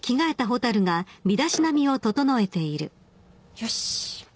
よし。